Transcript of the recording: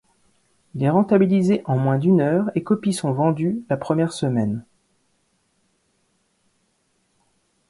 Il est rentabilisé en moins d'une heure, et copies sont vendues la première semaine.